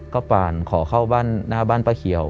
ก็ป่านขอเข้าบ้านหน้าบ้านป้าเขียว